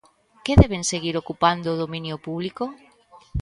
¿Que deben seguir ocupando o dominio público?